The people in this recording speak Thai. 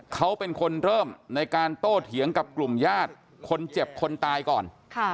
เขาเป็นคนเริ่มในการโตเถียงกับกลุ่มญาติคนเจ็บคนตายก่อน